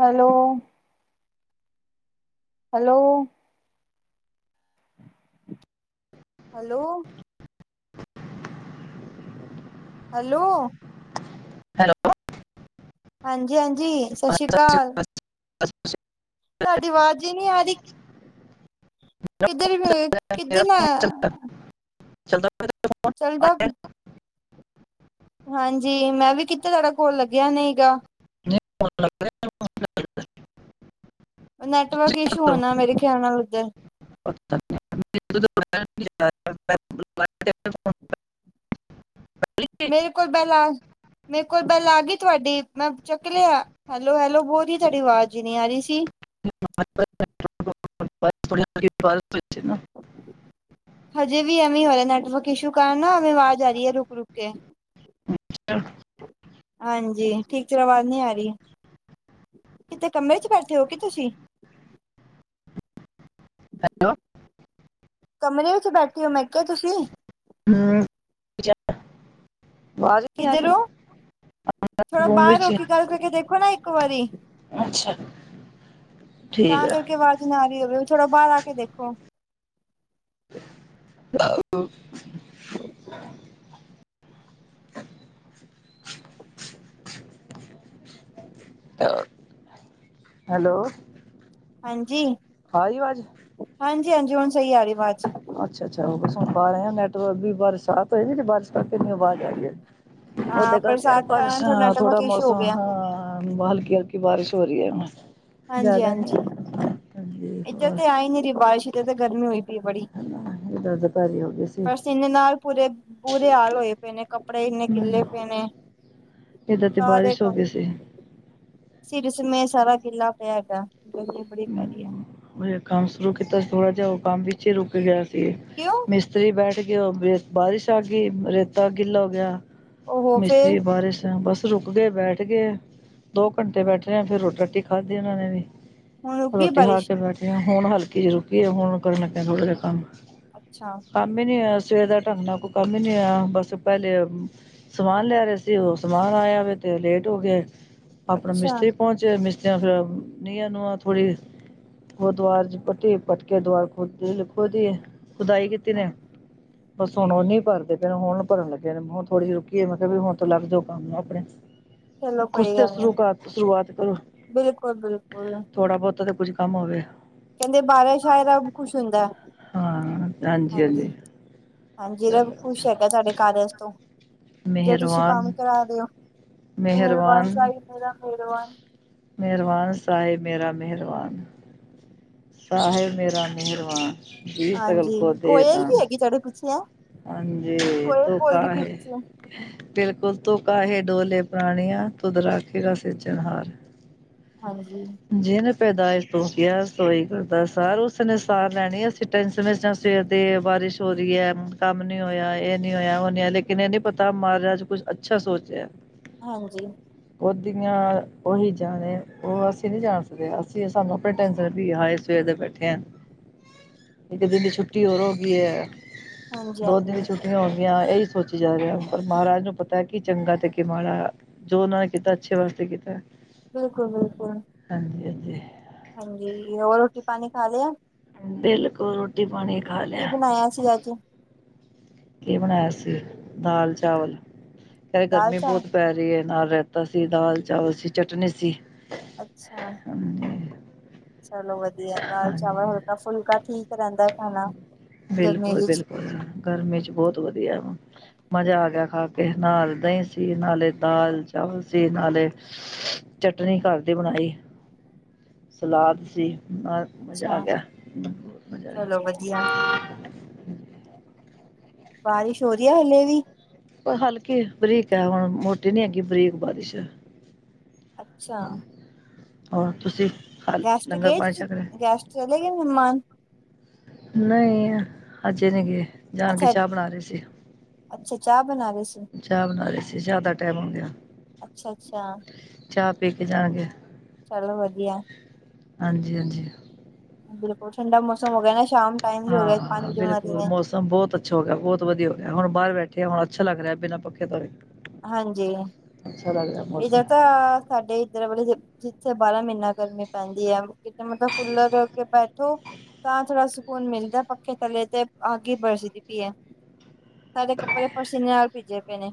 Hello hello hello hello hello ਹਾਂਜੀ ਹਾਂਜੀ, ਸਤਿ ਸ਼੍ਰੀ ਅਕਾਲ। ਸਤਿ ਸ਼੍ਰੀ ਅਕਾਲ ਤੁਹਾਡੀ ਆਵਾਜ਼ ਹੀ ਨਹੀਂ ਆ ਰਹੀ ਕਿੱਧਰ ਵੇ ਨਾ, ਕਿੱਧਰ ਮੇਰਾ ਫੋਨ ਏ ਚੱਲਦਾ ਚੱਲਦਾ ਮੇਰਾ ਫੋਨ ਚੱਲਦਾ। ਆਇਆ ਹਾਂਜੀ, ਮੈਂ ਵੀ ਕਿੱਤਾ, ਤੁਹਾਡਾ ਕੋਲ ਲੱਗਿਆ ਨਹੀਂ ਗਾ। [unintelligible] ਤੁਸੀਂ ਨੈੱਟਵਰਕ ਇਸ਼ੂ ਕਿੱਧਰ ਹੋ ਹੋਣਾ, ਮੇਰੇ ਖਿਆਲ ਨਾਲ ਉੱਧਰ। [unintelligible] [unintelligible] ਲਈ ਮੇਰੇ ਕੋਲ ਬੈੱਲ ਆ, ਮੇਰੇ ਕੋਲ ਬੈੱਲ ਆ ਗਈ ਤੁਹਾਡੀ, ਮੈਂ ਚੱਕ ਲਿਆ। ਹੈਲੋ, ਹੈਲੋ, ਬੋਲ ਰਹੀ, ਤੁਹਾਡੀ ਆਵਾਜ਼ ਹੀ ਨਹੀਂ ਆ ਰਹੀ ਸੀ। [unintelligible] ਹਜੇ ਵੀ ਐਵੇਂ ਹੋ ਰਿਹਾ, ਨੈੱਟਵਰਕ ਇਸ਼ੂ ਕਾਰਨ ਨਾ ਐਵੇਂ ਆਵਾਜ਼ ਆ ਰਹੀ ਹੈ ਰੁਕ-ਰੁਕ ਕੇ। [unintelligible] ਹਾਂਜੀ, ਠੀਕ ਤਰ੍ਹਾਂ ਆਵਾਜ਼ ਨਹੀਂ ਆ ਰਹੀ, ਕਿਤੇ ਕਮਰੇ 'ਚ ਬੈਠੇ ਹੋ ਕੇ ਤੁਸੀਂ? ਹੈਲੋ। ਕਮਰੇ ਵਿੱਚ ਬੈਠੇ ਹੋ, ਮੈਂ ਕਿਹਾ ਤੁਸੀਂ? [unintelligible] ਕਿਧਰੋਂ? ਥੋੜ੍ਹਾ ਰੂਮ ਬਾਹਰ ਵਿੱਚ ਹੋ ਕੇ, ਗੱਲ ਕਰ ਕੇ ਦੇਖੋ ਨਾ ਇੱਕ ਵਾਰੀ। ਅੱਛਾ। ਠੀਕ ਤਾਂ ਹੈ ਕਰਕੇ ਆਵਾਜ ਨਾ ਆਰਹੀ ਹੋਵੇ, ਥੋੜਾ ਬਾਹਰ ਆ ਕੇ ਦੇਖੋ। [unintelligible] ਹੈਲੋ। ਹਾਂਜੀ। ਆ ਰਹੀ ਆਵਾਜ਼ ਹਾਂਜੀ-ਹਾਂਜੀ, ਹੁਣ ਸਹੀ ਆ ਰਹੀ ਆਵਾਜ਼। ਅੱਛਾ-ਅੱਛਾ, ਉਹ ਹੁਣ ਸੁਣ ਪਾ ਰਹੇ ਹਾਂ ਨੈੱਟਵਰਕ ਵੀ ਬਰਸਾਤ ਹੋਏਗੀ, ਬਾਰਿਸ਼ ਕਰਕੇ ਇੰਨੀ ਆਵਾਜ਼ ਆ ਰਹੀ ਹੈ। ਹਾਂ ਉਹਦੇ ਕਰਕੇ, ਬਰਸਾਤ ਕਾਰਨ ਥੋੜਾ ਬਰਸਾਤ, ਨੈਟਵਰਕ ਥੋੜ੍ਹਾ ਇਸ਼ੂ ਹੋ ਮੌਸਮ ਹਾਂ। ਗਿਆ ਹਾਂ ਬਹੁ ਹਲਕੀ ਹਲਕੀ ਬਾਰਿਸ਼ ਹੋ ਰਹੀ ਹੈ ਹੁਣ। ਹਾਂਜੀ-ਹਾਂਜੀ, ਹਾਂਜੀ ਇੱਧਰ ਹੋਰ ਤੇ ਆਈ ਨੀ ਰਹੀ ਬਾਰਿਸ਼, ਇੱਧਰ ਤੇ ਗਰਮੀ ਹੋਈ ਪਈ ਹੈ ਬੜੀ। [unintelligible] ਇਹਦਾ ਅਧਿਕਾਰੀ ਹੋ ਗਏ ਸੀ। ਪਸੀਨੇ ਨਾਲ ਪੂਰੇ ਬੁਰੇ ਹਾਲ ਹੋਏ ਪਏ ਨੇ ਕੱਪੜੇ, ਇੰਨੇ ਗਿੱਲੇ ਪਏ ਨੇ ਇੱਧਰ ਤੇ ਸਾਰੇ ਬਾਰਿਸ਼ ਹੋ ਗਈ ਸੀ। ਸਿਰ ਇਸ ਸਮੇਂ ਸਾਰਾ ਗਿੱਲਾ ਪਿਆ ਹੈਗਾ ਗਰਮੀ ਬੜੀ ਪੈ ਰਹੀ ਹੈ ਮੈਂ ਜਿਹੜਾ ਕੰਮ ਸ਼ੁਰੂ ਕੀਤਾ ਸੀ ਥੋੜ੍ਹਾ ਜਿਹਾ, ਉਹ ਕੰਮ ਵਿੱਚ ਹੀ ਰੁੱਕ ਗਿਆ ਸੀ। ਕਿਉਂ ਮਿਸ ਇੱਧਰ ਹੀ ਬੈਠ ਗਏ ਉਹ, ਫਿਰ ਬਾਰਿਸ਼ ਆ ਗਈ, ਰੇਤਾ ਗਿੱਲਾ ਹੋ ਗਿਆ ਉਹ ਫੇਰ ਮਿਸਤਰੀ ਬਾਰਿਸ਼ ਹੈ, ਬੱਸ ਰੁੱਕ ਗਏ, ਬੈਠ ਗਏ। ਦੋ ਘੰਟੇ ਬੈਠੇ ਰਹੇ ਆ ਫਿਰ ਰੋਟੀ-ਰਾਟੀ ਖਾਧੀ ਉਹਨਾਂ ਨੇ ਵੀ ਹੁਣ ਰੁਕ ਗਈ ਰੋਟੀ ਖਾ ਬਾਰਿਸ਼ ਕੇ ਬੈਠੀ ਆ ਹੁਣ ਹਲਕੀ ਜਿਹੀ ਰੁੱਕੀ ਹੈ। ਹੁਣ ਕਰਨ ਲੱਗੇ ਆ ਥੋੜ੍ਹਾ ਜਿਹਾ ਕੰਮ ਅੱਛਾ ਕੰਮ ਕੰਮ ਨੀ ਆਇਆ ਸਵੇਰ ਦਾ ਢੰਗ ਨਾਲ ਕੋਈ ਕੰਮ ਨੀ ਆਇਆ ਬੱਸ ਪਹਿਲੇ ਸਮਾਨ ਲੈ ਰਹੇ ਸੀ। ਉਹ ਸਮਾਨ ਆਇਆ ਵੇ ਤੇ ਲੇਟ ਹੋ ਗਏ। ਆਪਣਾ ਅੱਛਾ ਮਿਸਤਰੀ ਪਹੁੰਚੇ ਮਿਸਤਰੀਆਂ ਫਿਰ ਨੀਆਂ ਨੁਆਦ ਪੁੜੀ, ਉਹ ਦਵਾਰ ਚ ਪੱਟੀ ਪੁਟਕੇ ਦਵਾਰ‌ ਖੋਦੀ ਲੱਗ ਖੋਦੀ ਹੈ। ਖੁਦਾਈ ਕੀਤੀ ਨੇ ਬੱਸ ਹੁਣ ਉਹ ਨੀ ਭਰਦੇ ਪਏ ਨੇ ਹੁਣ ਭਰਨ ਲੱਗੇ ਨੇ ਹੁਣ ਥੋੜ੍ਹੀ ਜਿਹੀ ਰੁਕੀ ਏ। ਮੈਂ ਕਿਹਾ ਵੀ ਹੁਣ ਤੇ ਲੱਗ ਜਾਓ ਕੰਮ ਆਪਣੇ ਚਲੋ ਕੁਝ ਤੇ ਸ਼ੁਰੂ ਕਰ, ਸ਼ੁਰੂਆਤ ਕਰੋ ਬਿਲਕੁਲ-ਬਿਲਕੁਲ। ਥੋੜ੍ਹਾ ਬਹੁਤਾ ਤੇ ਕੁੱਝ ਕੰਮ ਹੋਵੇ ਕਹਿੰਦੇ ਬਾਰਾਂ ਸ਼ਾਇਰਾ ਖੁਸ਼ ਹੁੰਦਾ ਹਾਂਜੀ, ਹਾਂਜੀ ਰੱਬ ਚਲੋ ਖੁਸ਼ ਹੈਗਾ ਸਾਡੇ ਕਾਰਜ਼ ਤੋਂ ਜੇ ਤੁਸੀਂ ਕੰਮ ਕਰਾ ਦਿਓ ਮਿਹਰਬਾਨ, ਮਿਹਰਬਾਨ ਸਾਹਿਬ ਮੇਰਾ ਮਿਹਰਬਾਨ। ਸਾਹਿਬ ਮੇਰਾ ਮਿਹਰਬਾਨ, ਜੀ ਸਗਲ ਕੋ ਦੇ ਦਾਨ। ਚੜ੍ਹੇ, ਪੁੱਛਿਆ? ਹਾਂਜੀ ਤੂੰ ਕਹਾਂ ਹੈ? ਪਿੱਛੇ ਬਿਲਕੁਲ ਤੂੰ ਕਾਹੇ ਡੋਲਹਿ ਪ੍ਰਾਣੀਆ, ਤੁਧੁ ਰਾਖੈਗਾ ਸਿਰਜਨਹਾਰੁ। ਹਾਂਜੀ ਜਿਹਨੇ ਪੈਦਾਇਸ਼ ਤੌਂ ਕਿਹਾ ਸੋਹੀ ਕਰਦਾ ਸਾਰ ਉਸਨੇ ਸਾਰ ਲੈਣੀ ਅਸੀ ਟੈਂਸ਼ਨ ਚ ਆਂ ਸਵੇਰ ਦੀ ਬਾਰਿਸ਼ ਹੋ ਰਹੀ ਹੈ, ਕੰਮ ਨੀ ਹੋਇਆ, ਇਹ ਨੀ ਹੋਇਆ, ਉਹ ਨੀ ਹੋਇਆ ਲੋ ਇਹ ਨਹੀਂ ਪਤਾ ਮਹਾਰਾਜ ਕੁੱਛ ਅੱਛਾ ਸੋਚ ਰਿਹਾ ਹਾਂਜੀ ਉਹਦੀਆਂ ਉਹੀ ਜਾਣੇ, ਉਹ ਅਸੀ ਅਸੀ ਨਹੀਂ ਜਾਣ ਸਕਦੇ ਅਸੀਂ ਸਾਨੂੰ ਆਪਣੀ ਟੈਂਸ਼ਨ ਰਹਿੰਦੀ ਆ ਹਾਏ ਸਵੇਰ ਦੇ ਬੈਠੇ ਹਾਂ। ਇੱਕ ਦਿਨ ਦੀ ਛੁੱਟੀ ਹੋਰ ਹੋ ਗਈ ਹੈ, ਹਾਂਜੀ ਦੋ ਦਿਨ ਦੀ ਹਾਂਜੀ ਛੁੱਟੀਆਂ ਹੁੰਦੀਆਂ ਇਹੀ ਸੋਚ ਜਾ ਰਿਹਾ ਪਰ ਮਹਾਰਾਜ ਨੂੰ ਪਤਾ ਕੀ ਚੰਗਾ ਤੇ ਕਿ ਮਾੜਾ, ਜੋ ਉਹਨਾਂ ਨੇ ਕੀਤਾ ਅੱਛੇ ਵਾਸਤੇ ਕੀਤਾ ਬਿਲਕੁਲ-ਬਿਲਕੁਲ ਹਾਂਜੀ-ਹਾਂਜੀ ਹਾਂਜੀ ਹੋਰ ਰੋਟੀ ਪਾਣੀ ਖਾ ਲਿਆ? ਬਿਲਕੁਲ ਰੋਟੀ ਪਾਣੀ ਖਾ ਲਿਆ। ਆਇਆ ਸੀ ਅੱਜ ਕੀ ਬਣਾਇਆ ਸੀ? ਦਾਲ-ਚਾਵਲ ਕਹਿ ਰਹੇ ਦਾਲ ਗਰਮੀ ਚਾਵਲ ਬਹੁਤ ਪੈ ਰਹੀ ਹੈ ਨਾਲ ਰਹਿਤਾ ਸੀ, ਦਾਲ-ਚਾਵਲ ਸੀ, ਚਟਨੀ ਸੀ। ਅੱਛਾ। ਹਾਂਜੀ ਚਲੋ ਵਧੀਆ ਦਾਲ ਚਾਵਲ ਹਾਂਜੀ ਹਲਕਾ ਫੁਲਕਾ ਠੀਕ ਰਹਿੰਦਾ ਖਾਣਾ ਗਰਮੀ ਵਿੱਚ ਬਿਲਕੁਲ-ਬਿਲਕੁਲ ਗਰਮੀ ਚ ਬਹੁਤ ਵਧੀਆ ਮਜ਼ਾ ਆ ਗਿਆ ਖਾ ਕੇ ਨਾਲ ਦਹੀਂ ਸੀ ਨਾਲੇ ਦਾਲ ਚਾਵਲ ਸੀ ਨਾਲੇ ਚਟਨੀ ਘਰ ਦੀ ਬਣਾਈ, ਸਲਾਦ ਸੀ। ਅਜ ਮਜ਼ਾ ਆ ਅੱਛਾ ਗਿਆ ਬਹੁਤ ਮਜ਼ਾ ਚਲੋ ਵਧੀਆ ਆ ਬਾਰਿਸ਼ ਹੋ ਰਹੀ ਹੈ ਹਲੇ ਵੀ? ੳਹ ਹਲਕੀ ਬਰੀਕ ਹੈ ਹੁਣ ਮੋਟੀ ਨੀ ਹੈਗੀ ਬਰੀਕ ਬਾਰਿਸ਼ ਹੈ। ਅੱਛਾ ਹੋਰ ਤੁਸੀਂ? ਹ ਗੈਸਟ ਲੰਗਰ ਗਏ ਪਾਣੀ ਤੁਸੀਂ, ਛੱਕ ਰਹੇ ਗੈਸਟ ਚਲੇ ਗਏ ਮਹਿਮਾਨ? ਨਹੀਂ, ਅਜੇ ਨਹੀਂ ਗਏ, ਜਾ ਕੇ ਅੱਛਾ, ਚਾਹ ਬਣਾ ਰਹੇ ਸੀ। ਅੱਛਾ ਚਾਹ ਬਣਾ ਰਹੇ ਸੀ। ਚਾਹ ਬਣਾ ਰਹੇ ਸੀ ਚਾਹ ਦਾ ਟੈਮ ਹੋ ਗਿਆ, ਅੱਛਾ, ਅੱਛਾ ਚਾਹ ਪੀ ਕੇ ਜਾਣਗੇ। ਚਲੋ ਵਧੀਆ, ਹਾਂਜੀ-ਹਾਂਜੀ, ਬਿਲਕੁਲ ਠੰਡਾ ਮੌਸਮ ਹੋ ਗਿਆ ਨਾ ਸ਼ਾਮ ਟਾਈਮ ਵੀ ਹੋ ਗਿਆ, ਪੰਜ ਵੱਜ ਗਏ। ਤਾਂ ਬਹੁਤ ਅੱਛਾ ਹੋ ਗਿਆ ਬਹੁਤ ਵਧੀਆ ਹੋ ਗਿਆ, ਹੁਣ ਬਾਹਰ ਬੈਠੀ ਆਂ ਹੁਣ ਅੱਛਾ ਲੱਗ ਰਿਹਾ ਬਿਨਾਂ ਪੱਖੇ ਤੋਂ ਹੀ। ਹਾਂਜੀ, ਮੌਸਮ ਇੱਧਰ ਤਾਂ ਸਾਡੇ ਇੱਧਰ ਵਲੇ ਜੇ ਜਿੱਥੇ ਬਾਰਾਂ ਮਹੀਨਾ ਗਰਮੀ ਪੈਂਦੀ ਹੈ, ਕਿਤੇ ਮਤਲਬ ਕੂਲਰ ਅੱਗੇ ਬੈਠੋ ਤਾਂ ਥੋੜ੍ਹਾ ਸਕੂਨ ਮਿਲਦਾ ਪੱਖੇ ਥੱਲੇ ਤੇ ਅੱਗ ਹੀ ਬਰਸਦੀ ਪਈ ਏ। ਸਾਡੇ ਕੱਪੜੇ ਪਸੀਨੇ ਨਾਲ ਭਿੱਜੇ ਪਏ ਨੇ।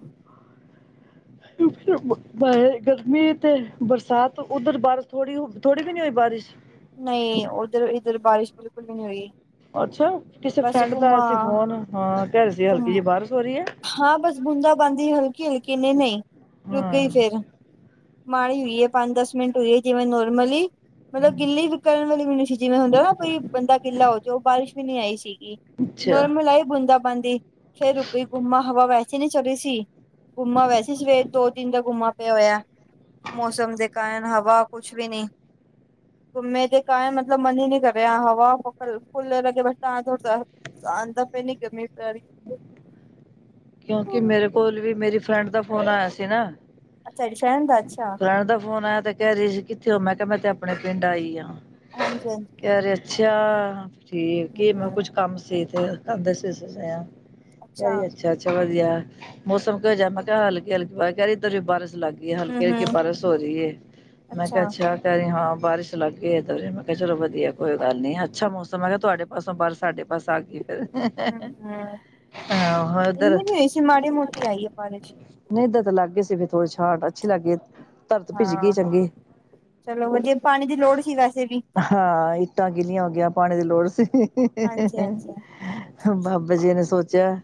ਬ ਗਰਮੀ ਤੇ ਬਰਸਾਤ ਉੱਧਰ ਬਾਰਿਸ਼ ਥੋੜੀ, ਥੋੜੀ ਵੀ ਨੀ ਹੋਈ ਬਾਰਿਸ਼ ਨਹੀਂ, ਉੱਧਰ ਇੱਧਰ ਬਾਰਿਸ਼ ਬਿਲਕੁਲ ਵੀ ਨਹੀਂ ਹੋਈ। ਅੱਛਾ, ਕਿਸੇ ਬਸ ਫਰੈਂਡ ਦਾ ਆਇਆ ਘੁੰਮਾ ਸੀ ਫੋਨ ਹਾਂ ਕਹਿ ਰਹੇ ਸੀ ਹਲਕੀ ਘੁੰਮ ਜਿਹੀ ਬਾਰਿਸ਼ ਹੋ ਰਹੀ ਹੈ। ਹਾਂ ਬਸ ਬੂੰਦਾ ਬਾਂਦੀ ਹਲਕੀ-ਹਲਕੀ ਨੇ ਨਹੀਂ, ਰੁਕ ਹਾਂ ਗਈ ਫਿਰ ਮਾੜੀ ਹੋਈ ਹੈ, ਪੰਜ ਦਸ ਮਿੰਟ ਹੋਈ ਹੈ ਜਿਵੇਂ ਨੋਰਮਲੀ ਮਤਲਬ ਗਿੱਲੀ ਵੀ ਕਰਨ ਵਾਲੀ ਵੀ ਨਹੀਂੀ ਸੀ ਜਿਵੇਂ ਹੁੰਦਾ ਨਾ ਕੋਈ, ਬੰਦਾ ਗਿੱਲਾ ਹੋ ਜੂ ਉਹ ਬਾਰਿਸ਼ ਵੀ ਨਹੀਂੀ ਆਈ ਸੀ। ਅੱਛਾ ਨੋਰਮਲ ਆਈ ਬੂੰਦਾ-ਬਾਂਦੀ ਫੇਰ ਰੁੱਕ ਗਈ ਗੁੰਮਾ ਹਵਾ ਵੈਸੇ ਈ ਨੀ ਚੱਲ ਰਹੀ ਸੀ, ਗੁੰਮਾ ਵੈ ਅਸੀਂ ਸਵੇਰ ਦੋ ਦਿਨ ਦਾ ਗੁੰਮਾ ਪਿਆ ਹੋਇਆ, ਮੌਸਮ ਦੇ ਕਾਰਨ ਹਵਾ ਕੁੱਛ ਵੀ ਨਹੀਂ ਘੁੰ ਮੇ ਦੇ ਕ ਹੈ ਮਤਲਬ ਮਨ ਹੀ ਨਹੀਂ ਕਰ ਰਿਹਾ, ਹਵਾ ਫੁੱਲ ਲੱਗੇ ਬਰਸਾ। [unintelligible] ਗਰਮੀ ਪੇ ਰੀ। ਕਿਉਂਕਿ ਮੇਰੇ ਕੋਲ ਵੀ ਮੇਰੀ ਫਰੈਂਡ ਦਾ ਫੋਨ ਆਇਆ ਸੀ ਨਾ। ਅੱਛਾ ਡ ਫੈਂਨ ਦਾ ਅੱਛਾ। ਫਰੈਂਡ ਦਾ ਫੋਨ ਆਇਆ ਤੇ ਕਹਿ ਰਹੀ ਸੀ, ਕਿੱਥੇ ਉਹ ਮੈਂ ਕਿਹਾ ਮੈਂ ਤੇ ਆਪਣੇ ਪਿੰਡ ਆਈ ਆਾਂ। ਹਾਂਜੀ-ਹਾਂਜੀ, ਅੱਛਾ ਠੀਕ ਕੀ ਮੈਂ ਹੂੰ-ਹੂੰ, ਕੁਛ ਕੰਮ ਸੀ ਤੇਦੇ ਸੀ। ਅੱਛਾ। ਕਹਿ ਅੱਛਾ-ਅੱਛਾ, ਵਧੀਆ ਮੌਸਮ ਕਿ ਹੋ ਜਾ ਮੈਂ ਕਿਹਾ ਹਲਕੇ ਹਲਕੀ ਪਾ ਕਹਿ ਰਹੀ ਤੇਰੇ ਬਾਰਸ਼ ਲੱਗ। ਹਲਕੀ ਹਲਕੀ ਹੂੰ-ਹੂੰ। ਬਾਰਸ਼ ਹੋ ਰਹੀ ਹੈ, ਮੈਂ ਅੱਛਾ। ਕਿਹਾਛ ਕਹਿ ਹਾਂ ਬਾਰਿਸ਼ ਲੱਗ ਗਈ ਦ। ਕਿਹਾ ਚਲੋ ਵਧੀਆ ਕੋਈ ਗੱਲ ਨੀ ਅੱਛਾ ਮੌਸਮ ਹੈਗਾ, ਕਿਹਾ ਤੁਹਾਡੇ ਪਾਸੋਂ ਬਰ ਸਾਡੇ ਪਾਸ ਆ ਗਏ। ਹਾ। ਇੰਨੀੇ ਨੀ ਹੋਏ ਸੀ ਮਾੜ ਮੋਟੀ ਆਈਏ ਬਾਰਿਸ਼। ਨਹੀਂ ਤਾਂ ਲੱਗ ਗਏ ਸੀ, ਫਿਰ ਥੋੜ੍ਹੀ ਛਾਟ ਅੱਛੀ ਲੱਗ ਗਈ। ਧਰਤ ਭਿੱਜ ਗਈ ਹਾਂ ਚੰਗੀ ਚਲੋ ਵਧੀਆ ਪਾਣੀ ਦੀ ਲੋੜ ਸੀ ਵੈਸੇ ਵੀ। ਹਾਂ ਇੱਟਾਂ ਗਿੱਲੀਆਂ ਹੋਗੀਆਂ ਪਾਣੀ ਦੀ ਲੋੜ ਸੀ। ਹਾਂਜੀ-ਹਾਂਜੀ। ਬਾਬਾ ਜੀ ਨੇ ਸੋਚਿਆ,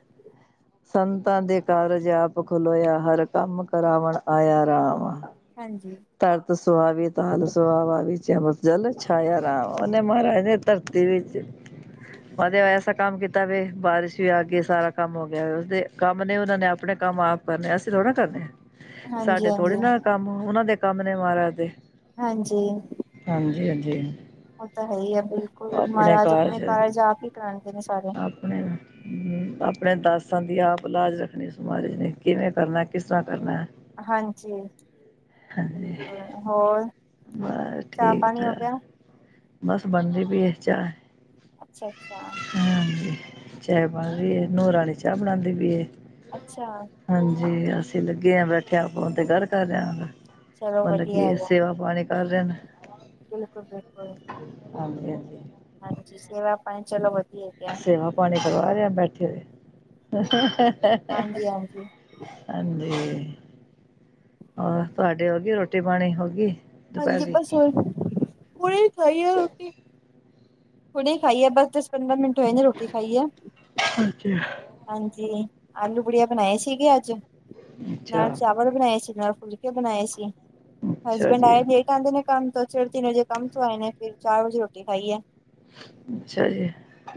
ਸੰਤਾਂ ਦੇ ਕਾਰਜ ਆਪ ਖਲੋਇਆ ਹਰ ਕੰਮ ਕਰਾਵਣ ਆਇਆ ਰਾਮ। ਹਾਂਜੀ ਤਰਤ ਸੁਆਦ ਤੇਲ ਸੁਆਦ ਵੀ ਚਮਚ ਜਲ ਛਾਇਆ ਰਾਮ ਉਹਨੇ ਮਹਾਰਾਜ ਨੇ ਧਰਤੀ ਵਿੱਚ ਮਹਾਦੇਵ ਐਸਾ ਕੰਮ ਕੀਤਾ ਵੇ ਬਾਰਿਸ਼ ਵੀ ਆ ਗਈ, ਸਾਰਾ ਕੰਮ ਹੋ ਗਿਆ ਉਸਦੇ ਕੰਮ ਨੇ ਉਹਨਾਂ ਨੇ ਆਪਣੇ ਕੰਮ ਆਪ ਕਰਨੇ ਅਸੀਂ ਥੋੜ੍ਹ ਕਰਨੇ। ਹਾਂਜੀ-ਹਾਂਜੀ, ਸਾਡੇ ਥੋੜੇ ਹਾਂਜੀ ਨਾ ਹਾਂਜੀ ਕੰਮ ਉਹਨਾਂ ਦੇ ਕੰਮ ਨੇ ਮਹਾਰਾਜ ਦੇ। ਹਾਂਜੀ। ਹਾਂਜੀ-ਹਾਂਜੀ। ਉਹ ਤਾਂ ਹੈ ਹੀ ਆ ਬਿਲਕੁਲ, ਮਹਾਰਾਜ ਆਪਣੇ ਕਾਰਜ ਆਪ ਹੀ ਕਰਾਉਂਦੇ ਨੇ ਸਾਰੇ। ਸੁੁਪਣੇ ਦਾ, ਹੂੰ, ਆਪਣੇ ਦਾਸਾਂ ਦੀ ਆਪ ਲਾਜ ਰੱਖਣੀ ਸਮਾਜ ਨੇ ਕਿਵੇਂ ਕਰਨਾ ਕਿਸ ਤਰ੍ਹਾਂ ਕਰਨਾ। ਹਾਂਜੀ। ਕੁ ਹਾਂਜੀ ਹੋਰ ਬਸ ਚਾਹ ਠੀਕ ਪਾਣੀ ਹੋ ਗਿਆ? ਠਾਕ ਬਸ ਬਣਦੀ ਪਈ ਏ ਚਾਹ। ਅੱਛਾ-ਅੱਛਾ। ਹਾਂ, ਚਾਹ ਬਣ ਹਮ, ਰਹੀ ਹੈ ਨੂਹ ਰਾਣੀ ਚਾਹ ਬਣਾਂਦੀ ਪਈ ਏ। ਅੱਛਾ ਹਾਂਜੀ ਅਸੀਂ ਲੱਗੇ ਹਾਂ ਬੈਠਿਆ ਫੋਨ ਤੇ ਗੱਲ ਕਰ ਰਹੇ ਆ। ਚਲੋ ਉਹ ਵਧੀਆ ਲੱਗੀ ਹੈਗਾ। ਸੇਵਾ ਪਾਣੀ ਕਰ ਰਹੇ ਨੇ। ਬਿਲਕੁਲ-ਬਿਲਕੁਲ। ਹਾਂਜੀ-ਹਾਂਜੀ ਹਾਂਜੀ ਸੇਵਾ ਆਪਣੀ ਚਲੋ ਵਧੀਆ। ਹੈਗਾ ਸੇਵਾ ਪਾਣੀ ਕਰਵਾ ਰਹੇ ਆ ਬੈਠੇ ਹੋਏ। ਹਾਂਜੀ-ਹਾਂਜੀ। ਹਾਂਜੀ ਹਾਂਜੀ, ਹੋਰ 'ਤੁਹਾਡੀੇ ਹੋ ਗਈ ਰੋਟੀ ਪਾਣੀ ਹੋ ਗਈ? ਦੁਪਹਿਰ ਹਾਂਜੀ ਦੀ ਬਸ ਹੋਗੀ। ਹੁਣੇ ਖਾਈ ਹੈ ਰੋਟੀ ਹੁਣੇ ਖਾਈ ਹੈ ਬਸ ਦਸ ਪੰਦਰਾਂ ਮਿੰਟ ਹੋਏ ਗਏ ਰੋਟੀ ਖਾਈ ਹੈ। ਅੱਛਾ। ਹਾਂਜੀ ਆਲੂ ਪੁੁੜੀਆ ਬਣਾਏ ਸੀਗੇ ਅੱਜ ਅੱਛਾ ਨਾਲ ਚਾਵਲ। ਚੋਲ ਬਣਾਏ ਸੀ ਨਾਲ ਫੁਲਕੇ ਬਣਾਏ ਅੱਛਾ ਸੀ'ਹਸਬੈਂਡ ਜੀ ਆਏ। ਕਹਿੰਦੇ ਨੇ ਕੰਮ ਤੋਂ ਸਿਰ ਤਿੰਨ ਵਜੇ ਕੰਮ ਤੋਂ ਆਏ ਨੇ ਫਿਰ ਚਾਰ ਵਜੇ ਰੋਟੀ ਖਾਈਏ। ਅੱਛਾ ਜੀ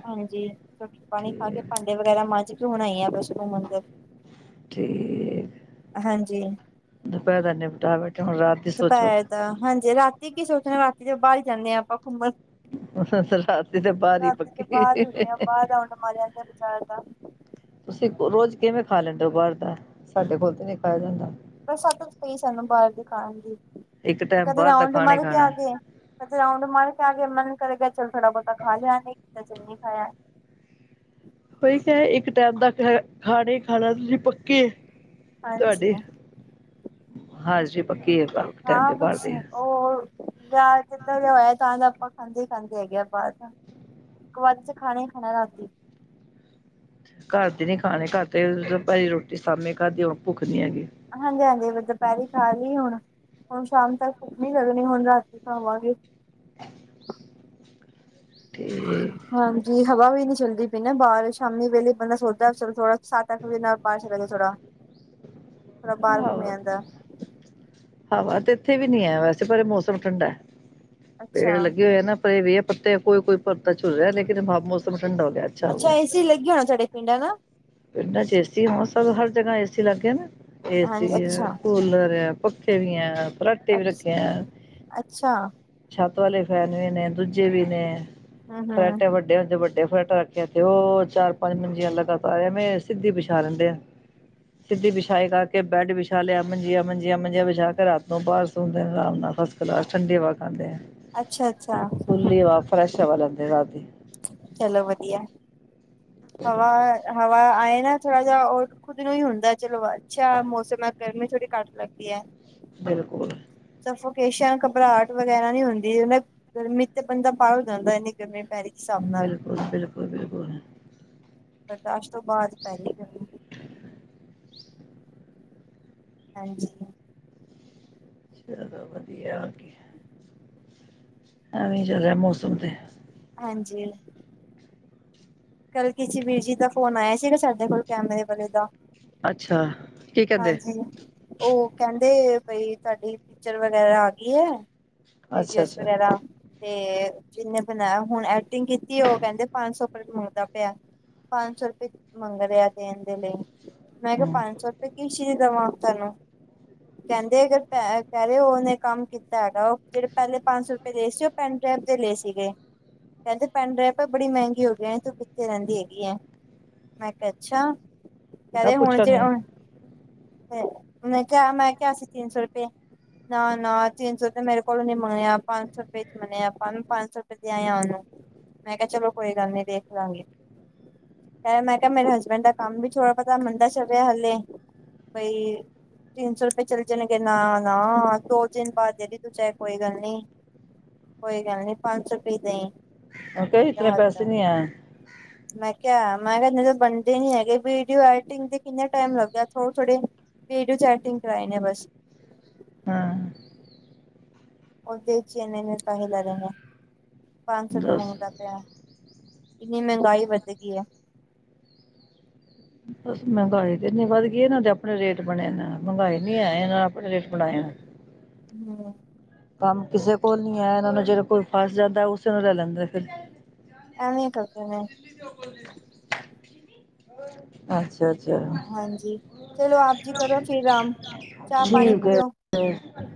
ਹਾਂਜੀ ਰੋਟੀ ਪਾਣੀ ਖਾ ਕੇ' ਠੀਕ ਭਾਂਡੇ। ਵਗੈਰਾ ਮਾਂਜ ਕੇ ਹੁਣ ਆਈ ਆ ਵੈਸ਼ਨੋ ਮੰਦਿਰ ਠੀਕ ਹਾਂਜੀ। ਦੁਪਹਿਰ ਦਾ ਤਾਂ ਨਿਪਟਾ ਬੈਠੇ ' ਹੁਣ ਰਾਤ ਦੀ ਸੋਚੋ। ਦੁਪਹਿਰ ਦਾ ਤਾਂ ਹਾਂਜੀ 'ਰਾਤੀ ਕੀ ਸੋਚਨਾ ਰਾਤੀ ਜੋਂ ਬਾਹਰ ਹੀ ਜਾਂਦੇ ਹਾਂ ਆਪਾਂ ਘੁੰਮਣ। ਰਾਤੀ ਤੇ ਬਾਹਰ ਹੀ ਰਾਤੀ ਦੇ ਪੱਕੀ ਬਾਹਰ ਹੀ ਹੁੰਦੇ ਆ' ਤੁਸੀਂ ਬਾਹਰ ਰਾਊਂਡ ਮਾਰਿਆਦਾ ਬਾਜ਼ਾਰ ਦਾ। ਤੁਸੀਂ ਰੋਜ਼ ਕਿਵੇਂ ਖਾ ਲੈਂਦੇ ਓ ਬਾਰ ਦਾ ਸਾਡੇ ਕੋਲ ਤੇ ਨੀ ਖਾਇਆ ਜਾਂਦਾ। ਬਸ ਸਾਨੂੰ ਪਈ ਸਾਨੂੰ ਬਾਹਰ ਦੇ ਖਾਣ ਦੀ ਇੱਕ ਟਾਈਮ ਕਦੇ ਬਾਹਰ ਦਾ ਰਾਊਂਡ ਖਾਣਾ ਹੀ ਮਰ ਕੇ ਆ ਖਾਣਾ ਗਏ। ਕਦੇ ਰਾਊਂਡ ਮਾਰ ਕੇ ਆ ਕੇ ਮਨ ਕਰੇਗਾ ਚੱਲ ਥੋੜਾ ਬਹੁਤਾ ਖਾ ਲਿਆ। ਨਹੀਂ ਕੀਤਾ ਚੱਲ ਨਹੀਂ ਖਾਇਆ। ਉਹੀ ਤੇ ਇੱਕ ਟਾਈਮ ਦਾ ਖਾਣਾ ਹੀ ਖਾਣਾ ਤੁਸੀਂ ਪੱਕੇ। ਹਾਂਜੀ ਤੁਹਾਡੇ ਹਾਂਜੀ ਪੱਕੀ ਇਹ ਤਾਂ। ਹਾਂ ਬਸ। ਉਹ ਵਿਆਹ ਜਿੱਦਣ ਹੋਇਆ ਤਾਂ ਤਾਂ ਆਪਾਂ ਖਾਂਦੇ ਹੀ ਖਾਂਦੇ ਹੈਗੇ ਆ ਬਾਹਰ ਤਾਂ। ਇੱਕ ਵਾਰ ਚ ਖਾਣਾ ਹੀ ਖਾਣਾ ਰਾਤੀ ਘਰ ਦੇ ਨੀ ਖਾਣੇ ਘਰ ਤੇ ਪਈ ਰੋਟੀ ਸਾਹਮਣੇ ਘਾਦੀਓ ਭੁੱਖ ਨੀ ਹੈਗੀ। ਹਾਂਜੀ, ਹਾਂਜੀ ਦੁਪਹਿਰੀ ਖਾ ਲਈ ਹੁਣ। ਹੁਣ ਸ਼ਾਮ ਤੱਕ ਭੁੱਖ ਨਹੀ ਲੱਗਣੀ ਹੁਣ ਰਾਤੀ ਖਾਵਾਂਗੇ। ਤੇ ਹਾਂਜੀ, ਹਵਾ ਵੀ ਨੀ ਚੱਲਦੀ ਪਈ ਨਾ ਬਾਹਰ ਸ਼ਾਮੀ ਵੇਲੇ ਬੰਦਾ ਸੋਚਦਾ ਚਲੋ ਥੋੜਾ। ਸੱਤ ਅਠ ਵਜੇ ਨਾਲ ਬਾਹ ਚਲੇ ਜਾਏ ਥੋੜਾ। ਥੋੜਾ ਬਾਹਰ ਹੋਰ। ਘੁੰਮ ਆਂਦਾ ਹਵਾ ਤੇ ਇੱਥੇ ਵੀ ਨੀ ਹੈ ਵੈਸੇ ਪਰ ਇਹ ਮੌਸਮ ਠੰਡਾ ਹੈ। ਪੇੜ ਅੱਛਾ ਲੱਗੇ ਹੋਏ ਨਾ ਪਰ ਇਹ ਵੀਹ ਪੱਤੇ ਕੋਈ ਕੋਈ। ਪੱਤਾ ਝੁੱਲ ਰਿਹਾ ਲੇਕਿਨ ਮੌਸਮ ਠੰਡਾ ਹੋ ਗਿਆ ਅੱਛਾ ਹੋ ਗਿਆ। ਲੱਗੀ ਹੋਣਾ ਸਾਡੇ ਪਿੰਡ ਨਾ। ਪਿੰਡਾਂ ਚ ਏ ਸੀ ਮੌਸਮ ਹਰ ਜਗ੍ਹਾ ਏਸੀ ਲੱਗਗੇ ਨਾ ਏਸੀ ਹਾਂਜੀ ਹੈ ਅੱਛਾ। ਕੂਲਰ ਹੈ ਪਖੇ। ਪੱਖੇ ਵੀ ਆ ਫਰਾਟੇ ਵੀ ਅੱਛਾ ਰੱਖੇ ਆ। ਅੱਛਾ ਛੱਤ ਵਾਲੇ ਫੈਨ ਵੀ ਨੇ ਦੂਜੇ ਵੀ ਨੇ ਹਮ ਹਮ ਫਰਾਟੇ ਵੱਡੇ। ਵਡੇ ਹੁੰਦੇ ਵੱਡੇ ਫਰੈਟ ਰੱਖਿਆ ਤੇ ਉਹ ਚਾਰ ਪੰਜ ਮੰਜੀਆਂ ਲਗਾਤਾਰ ਐਵੇਂ ਸਿੱਧੀਆਂ ਵਿਛਾ ਲੈਂਦੇ ਆ। ਸਿੱਧੀ ਵਿਛਾਈਗਾ ਬੈਡ ਵਿਛਾ ਲਿਆ ਮੰਜੀਆਂ ਮੰਜੀਆਂ ਮੰਜੀਆਂ ਵਿਛਾ ਕੇ ਰਾਤ ਨੂੰ ਬਾਹਰ ਸੌਂਦੇ ਨੇ ਆਰਾਮ ਨਾਲ ਹਾਂ। ਬਾਹਰ ਠੰਡੀ ਹਵਾ ਖਾਂਦੇ ਆ। ਅੱਛਾ ਅੱਛਾ ਖੁੱਲੀ ਹਵਾ ਫਰੈਸ਼ ਹਵਾ ਲੈਂਦੇ ਰਾਤ ਦੀ। ਚਲੋ ਵਧੀਆ, ਹਵਾ ਹਵਾ ਆਏ ਨਾ ਥੋੜਾ। ਉਹ ਖੁਦ ਨੂੰ ਹੀ ਹੁੰਦਾ ਚਲੋ ਅੱਛਾ ਮੌਸਮ ਹੈ। ਗਰਮੀ ਥੋੜੀ ਘੱਟ ਲੱਗਦੀ ਹੈ। ਬਿਲਕੁਲ ਸਫੋਕੇਸਨ ਘਬਰਾਹਟ ਵਗੈਰਾ ਨੀ ਹੁੰਦੀ, ਉਹ ਗਰਮੀ ਤੇ ਬੰਦਾ ਪਾਗਲ ਹੋ ਜਾਂਦਾ, ਇਨੀ ਗਰਮੀ ਪੈ ਰਹੀ ਹਿਸਾਬ ਨਾਲ ਬਿਲਕੁਲ, ਬਿਲਕੁਲ, ਬਿਲਕੁਲ, ਬਰਦਾਸ਼ਤ ਬਾਅਦ ਪੈਲੀ ਗ ਹਾਂਜੀ, ਚਲੋ ਵਧੀਆ, ਐਵੇਂ ਚੱਲ ਰਿਹਾ ਮੌਸਮ ਤੇ ਹਾਂਜੀ, ਕੱਲ੍ਹ ਕਿਸੀ ਵੀਰ ਜੀ ਦਾ ਫੋਨ ਆਇਆ ਸੀਗਾ, ਸਾਡੇ ਕੋਲ ਕੈਮਰੇ ਵਾਲੇ ਦਾ ਅੱਛਾ ਕੀ ਕਹਿੰਦੇ ਹਾਂਜੀ, ਉਹ ਕਹਿੰਦੇ ਬਈ ਤੁਹਾਡੀ ਟੀਚਰ ਵਗੈਰਾ ਆ ਗਈ ਹੈ। ਅੱਛਾ ਡੀਓਜ਼ ਅੱਛਾ ਵਗੈਰਾ, ਤੇ ਜਿਨੇ ਬਣਾਇਆ ਹੁਣ ਐਕਟਿੰਗ ਕੀਤੀ ਉਹ ਕਹਿੰਦੇ ਪੰਜ ਸੌ ਪਿਆ ਪੰਜ ਸੌ ਰੁਪਏ ਮੰਗ ਲਿਆ, ਦੇਣ ਦੇ ਲਈ ਮੈਂ ਕਿਹਾ ਹਮ ਪੰਜ ਸੌ ਰੁਪਏ ਕੀ ਚੀ ਦੇਵਾਂ ਤੁੈਨੂੰ, ਕਹਿੰਦੇ ਅਗਰ ਪੈ ਕਹਿ ਰਹੇ ਉਹਨੇ ਕੰਮ ਕੀਤਾ ਹੈਗਾ, ਉਹ ਜਿਹੜੇ ਪਹਿਲੇ ਪੰਜ ਸੌ ਰੁਪਏ ਲਏ ਸੀ ਉਹ ਪੈਟ ਡੈਪ ਦੇ ਲਏ ਸੀਗੇ। ਕਹਿੰਦੇ ਪੈਨ ਡਰਾਈਵ ਪਰ ਬੜੀ ਮਹਿੰਗੀ ਹੋ ਗਈਏ। ਥ ਰਹਿੰਦੀ ਹੈਗੀ, ਆ ਮੈਂ ਕਿਹਾ ਅੱਛਾ ਮੈਂ ਕਹਦੇ ਹੁਣ ਜੇ। ਪੁੱਛਾਂਗੀ ਫ ਮੈ ਕਿਹਾ ਮੈਂ ਕਿਹਾ ਆ ਸੀ ਤਿੰਨ ਸੌ ਰੁਪਏ ਨਾ ਨਾ ਤਿੰਨ ਸੌ ਤੇ ਮੇਰੇ ਕੋਲੋਂ ਨੀ ਮੰਨਿਆ, ਪੰਜ ਸੌ ਰੁਪਏ ਚ ਮੰਨਿਆ ਆਪਾਂ ਪੰਜ ਸੌ ਰੁਪਏ ਦੇ ਆਏ ਆ ਉਹਨੂੰ ਮੈਂ ਕਿਹਾ ਚਲੋ, ਕੋਈ ਗੱਲ ਨੀ ਦੇਖ ਲਾਂਗੇ। ਕ ਮੈਂ ਕਿਹਾ ਮੇਰੇ ਹਸਬੈਂਡ ਦਾ ਕੰਮ ਵੀ ਥੋੜ੍ਹਾ ਪਹੁਤਾ ਮੰਦਾ ਚਲ ਰਹਿ ਹਲੇ ਕੋਈ ਤਿੰਨ ਸੌ ਰੁਪਏ ਚਲੇ ਜਾਣਗੇ, ਨਾ ਨਾ ਦੋ ਦਿਨ ਬਾਅਦ ਦੇਦੀ ਤੂੰ ਚ ਕੋਈ ਗੱਲ ਨੀ ਕੋਈ ਗੱਲ ਨੀ ਪੰਜ ਸੌ ਰੁਪੀ ਦੇਈ ਕ ਮੈਂ ਇਤੇ ਕਿਹਾ ਹੱਦ ਪੈਸੇ ਨੀ ਆ, ਮੈਂ ਕਿਹਾ ਮੈਂ ਕਿਹਾ ਬਣਦੇ ਨੀ ਹੈਗੇ ਵੀਡੀਓ, ਐਟਿੰਗ ਦੇ ਕਿੰਨੇ ਟਾਈਮ ਲੱਗਿਆ ਥੋੜੇ-ਥੋੜੇ ਵੀਡੀਓ ਚੈਟਿੰਗ ਕਰਵਾਈ ਨੇ ਬਸ ਹਾਂ, ਉਹਦੇ ਚਨ ਕਹਿ ਲੈ ਰਹੇ ਨੇ ਪੰਜ ਸੌ ਰੁਪਏ ਦੱਸ ਮੰਗਦਾ ਪ ਇੰਨੀ ਮਹਿੰਗਾਈ ਵੱਧ ਗਈ ਹੈ। ਬਸ ਮਹਿੰਗਾਈ ਤੇ ਇਨੀ ਵੱਧ ਗਈ, ਇਹਨਾਂ ਦੇ ਆਪਣੇ ਰੇਟ ਬਣੇ ਨੇ ਮਹਿੰਗਾਈ ਨਹੀਂ ਆਏ ਇਹ ਆਪਣੇ ਰੇਟ ਬਣਾਏ। ਹੂੰ, ਕੰਮ ਕਿਸੇ ਕੋਲ ਨੀ ਹੈ, ਇਹਨਾਂ ਨੂੰ ਜਿਹੜੇ ਕੋਲ ਫਸ ਜਾਂਦਾ ਉਸੇ ਨੂੰ ਲੈ ਲੈਂਦਾ ਫਿਰ ਐਵੇਂ ਕਰਦੇ ਨੇ, [unintelligible] ਅੱਛਾ-ਅੱਛਾ, ਹਾਂਜੀ ਚਲੋ ਆਪ ਜੀ ਕਰੋ ਫਿਰ ਆਰਾਮ ਚਾਹ ਪਾਣੀ ਠੀਕ ਪੀਓ ਹੈ। [unintelligible]